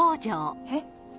えっ。